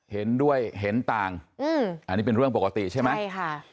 เห็นด้วยเห็นต่างอันนี้เป็นเรื่องปกติใช่ไหม